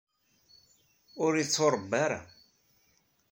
Ur ittuṛebba ara.